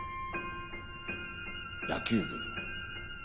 野球部。